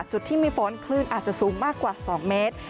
จุดที่มีฝนคลื่นอาจจะสูงมากกว่า๒เมตร